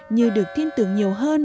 như được tin tưởng nhiều hơn